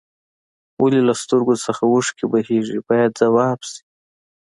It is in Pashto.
ولې له سترګو څخه اوښکې بهیږي باید ځواب شي.